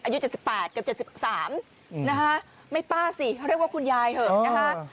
อายุ๗๘กับ๗๓นะคะไม่ป้าสิเขาเรียกว่าคุณยายเถอะนะคะ